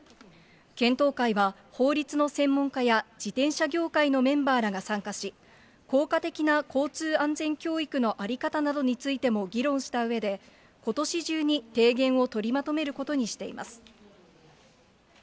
検討会は法律の専門家や自転車業界のメンバーらが参加し、効果的な交通安全教育の在り方などについても議論したうえで、ことし中に提言を取りまとめることにしています。